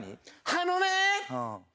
「あのね」